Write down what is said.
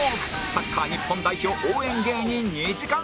サッカー日本代表応援芸人２時間